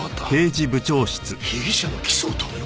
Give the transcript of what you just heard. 被疑者の起訴を止めろ？